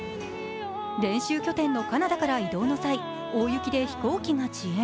練習拠点のカナダから移動の際、大雪で飛行機が遅延。